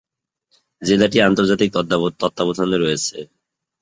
জেলাটি আন্তর্জাতিক তত্ত্বাবধানে রয়েছে।